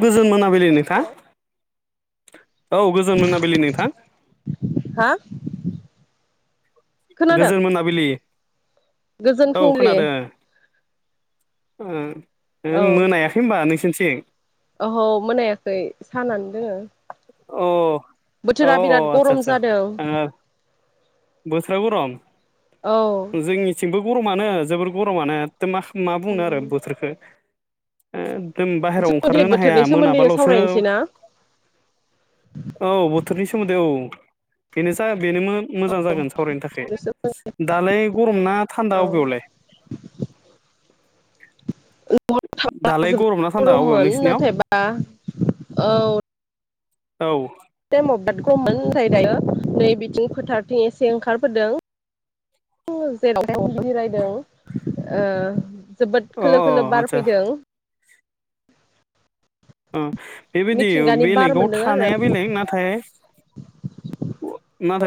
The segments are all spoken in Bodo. गोजोन मोना बेले नोंथां हेलौ औ गोजोन मोनाबिलि नोंथां। हा खोनादों गोजोन मोनाबलि गोजोन फुंबिलि ओ मोनायाखै होनबा नों थिं अह मोनायाखै सानानो दोङो अ अ बोथोरा बिराद अ आससा गरम आससा जादों ओ बोथोरा गरम औ जोंनिथिंबो गरमानो जोबोर गरमानो दा मा खा मा बुंनो आरो बोथोरखो ओ जों दिनै बोथोरनि सोमोन्दैनो सावरायनोसै ना? औ बोथोरनि सोमोन्दै औ बेनो जा बेनो मो मोजां जागोन सावरायनो थाखाय दालाय गरमना थान्दा औ अबेयावलाय दालाय गरम ना [unintelligible] थान्दा अबेयाव गरममोन नोंसिनियाव नाथायबा औ औ टाइमाव बिराद [unintelligible] दायो नै बिथिं फोथारथिं एसे ओंखारबोदों जेरावहाय [unintelligible] जिरायदों ओ जोबोद अ खोलो खोलो बार आदसा फैदों ओ बेबायदि मिथिंगानि बार बेलेगाव मोनदों आरो थानाया बेलेग नाथाय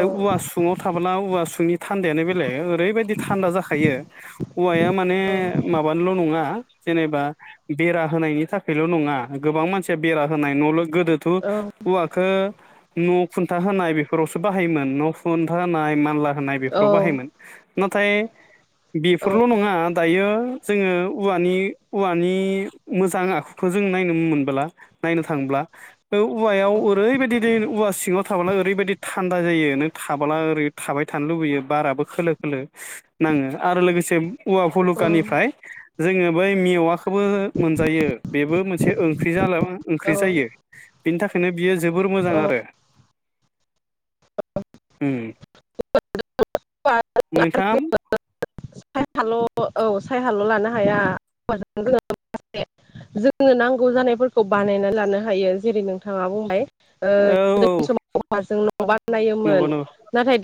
औ औवा सुङाव थाब्ला औवासुंनि थान्दायानो बेलेग ओरैबायदि थान्दा जाखायो। औवाया माने औ माबानोल नङा जेनेबा बेरा होनायनि थाखायल नङा गोबां मानसिया बेरा होनाय न लु गोदोथ औ औवाखो न खुन्था होनाय बेफोरावसो बाहायोमोन न खुन्था होनाय मानला होनाय बेफ्राव बाहायोमोन। औ नाथाय बेफोरल नङा दायो जोङो औवानि औवानि मोजां आखुखौ जों नायनो मोनबोला नायनो थांब्ला ओ औवायाव ओरैबायदि दै औवा सिङाव था थाब्ला ओरैबायदि थान्दा जायो नों थाबोला ओरै थाबाय थानो लुबैयो बाराबो खोलो खोलो नाङो आरो लोगोसे औवा औ औ भुलुकानिफ्राय जोङो बै मेवा खोबो मोनजायो बेबो मोनसे ओंख्रि जाला औ ओंख्रि जायो बिनि थाखायनो बियो जोबोर मोजां औ आरो उम [inaudible] नोंथाङा औ सायहाल' लानो हाया [inaudible] जोंनो नांगौ जानायफोरखौ बानायना लानो हायो जेरै नोंथाङा बुंबाय ओ औ गोदोनि औ समाव औवाजों न नंगौ बानायोमोन। नंगौ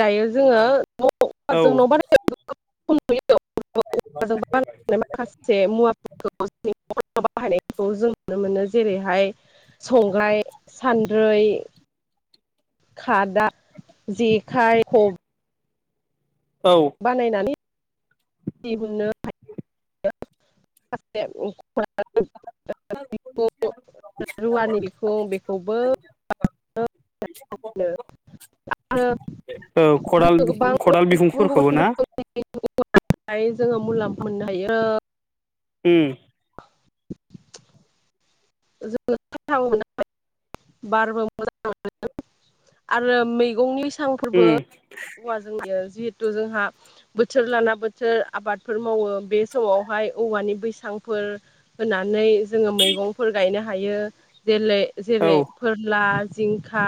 दायो जोङो औ औवाजों न' बानाय [inaudible] [unintelligible] [inaudible] जों नुनो मोनो जेरैहाय संग्राय सान्द्रै खादा जेखाइ खब औ बानायनानै दिहुननो हायो [inaudible] [inaudible] रुवानि बिखुं बेखौबो [inaudible] आरो औ खदाल जोङो गोबां बिखु खदाल गुबुन बिहुंफोरखौबो गुबुन ना रोखोमनिफ्राय जोङो मुलाम्फ मोननो हायो । उम जोङो फाथां [unintelligible] बारबो मोजां [unintelligible] आरो मैगंनि थांफोरबो उम औवा जों [unintelligible] जिहेथु जोंहा बोथोर लाना बोथोर आबादफोर मावो बे समावहाय औवानि बैसांफोर होनानै जोङो मैगंफोर गायनो हायो । जेले औ जेरै गिला जिंखा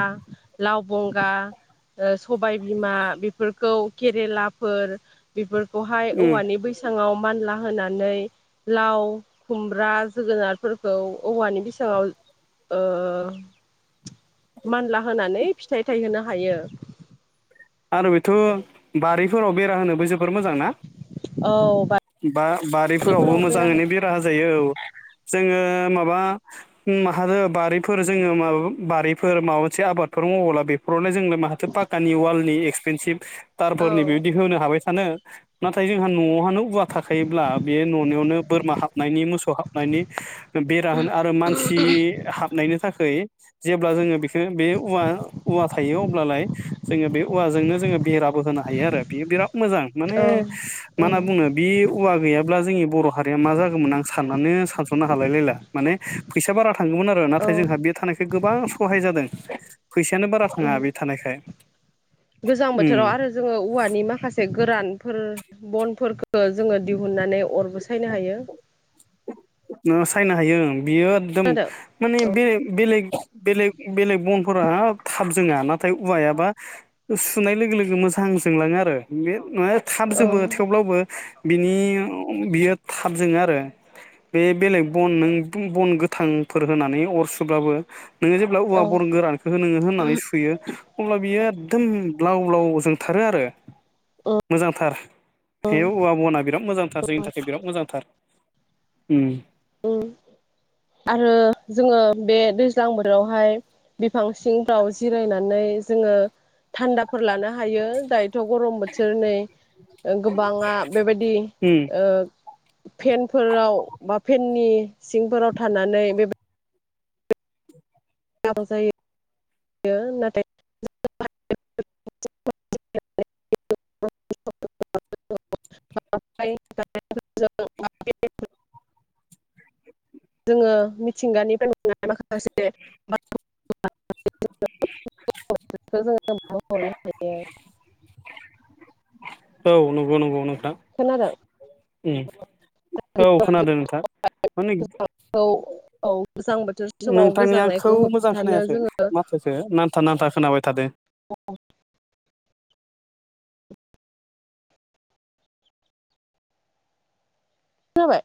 लाव बंगा ओ स हबाय बिमा बेफोर खौ केरेलाफोर बेफोर औहाय उम औवानि बैसाङाव मानला होनानै लाव खुमब्रा जोगोनारफोरखौ औवानि बैसाङाव ओ मानला होनानै फिथाइ थायहोनो हायो । फोराव बेरा होनोबो जोबोर मोजांना औ बा बारिफोरावबो बारिफोराव हो मोजाङैनो बेरा होजायो औ जोङो माबा माहादो बारिफोर जोङो माब बारिफोर माबा मोनसे आबादफोर मावोला बेफोरावलाय जोंलाय माहाथो पाकानि वालनि एक्सपेनसिभ तारफोरनि औ बिबायदि होनो हाबाय आनो नाथाय जोंहा न'वाहानो वा थाखायोब्ला बे न'निआवनो बोरमा हाब नायनि मोसौ हाबनायनि बेरा होनो आरो मानसि हाबनायनि थाखै जेब्ला जोङो बेखोनो बे उवा-उवा थायो अब्लालाय जोङो बे औवाजोंनो जोङो बेराबो होनो हायो आरो बियो बिराद मोजां माने औ माना उम बुंनो औवा गैयाब्ला जोंनि बर' हारिया मा जागौमोन आं साननानै सानस'नो हालाय लायला माने फैसा बारा। थांगौमोन आरो औ नाथाय जोंहा बे थानायखाय गोबां सहाय जादों। फैसायानो बारा उम थाङा बे थानायखाय। गोजां बोथोराव आरो उम जोङो औवानि माखासे गोरान फोर बनफोरखौ जोङो दि ननानै अरबो सायनो हायो। ओ सायनो हायो उम। बेयो एकदोम खोनादों माने औ बेले-बेलेग। बेलेग बेलेग बनफोरा थाब जोङा नाथाय औवायाबा सुनाय लोगो लोगो मोजां जोंलाङो आरो। थाब औ जोबो थेवब्लाबो बिनि बियो थाब जोङो आरो। बे बेलेग बन नों बन गोथांफोर होनानै अर सुब्लाबो नोङो जेब्ला औवा औ बन गोरानखौ नोङो होननानै सुयो अब्ला बियो एकदम ब्लाव ब्लाव जोंथारो आरो। मोजांथार औवा बना बिराद मोजांथार जोंनि थाखाय बिराद मोजांथार। उम आरो जोङो बे दैज्लां बोथोरावहाय बिफां सिंफ्राव जिरायनानै जोङो थान्दाफोर लानो हायो जाय थ' गरम बोथोर नै गोबाङा बेबायदि उम पेनफोराव बा फेननि सिंफोराव थानानै बे [inaudible] बियो नाथाय [inaudible] [inaudible] औ नंगौ नंगौ नंगौ। खोनादों औ खोनादों नोंथां माने औ औ गोजां बोथोर समाव नोंथांनियाखौ गोजांनायखौ मोजां होबथानो खोनायाखै जोङो माथोखौ नांथा नांथा खोनाबाय थादों। औ खोनाबाय।